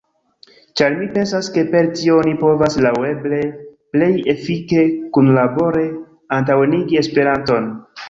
Ĉar mi pensas ke per tio oni povas laŭeble plej efike kunlabore antaŭenigi esperanton.